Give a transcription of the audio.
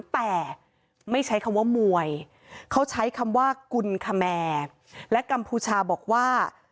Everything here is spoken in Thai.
แต่ไม่ใช้คำว่ามวยเขาใช้คำว่ากุลคแมร์และกัมพูชาบอกว่า